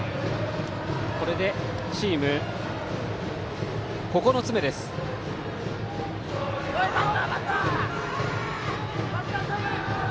これでチーム９つ目の盗塁。